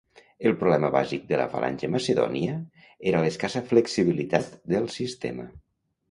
El problema bàsic de la falange macedònia era l'escassa flexibilitat del sistema.